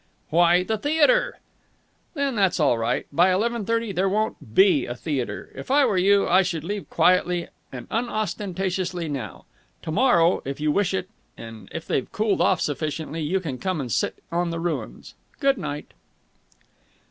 "Why, the theatre." "Then that's all right. By eleven thirty there won't be a theatre. If I were you, I should leave quietly and unostentatiously now. To morrow, if you wish it, and if they've cooled off sufficiently, you can come and sit on the ruins. Good night!"